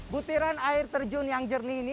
butiran air terjun yang jernih ini